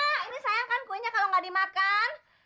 ini sayang kan kuenya kalau enggak dimakan